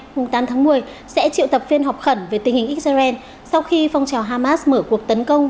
hôm tám tháng một mươi sẽ triệu tập phiên họp khẩn về tình hình israel sau khi phong trào hamas mở cuộc tấn công